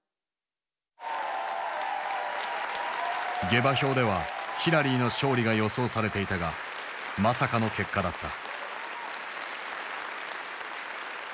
下馬評ではヒラリーの勝利が予想されていたがまさかの結果だった。